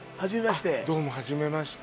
どうもはじめまして。